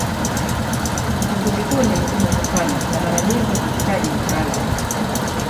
Uchunguzi huu ni mgumu kufanywa na mara nyingi huhitaji mtaalamu.